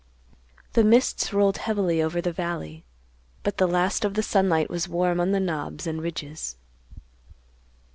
The mists rolled heavily over the valley, but the last of the sunlight was warm on the knobs and ridges.